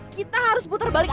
kita harus puter balik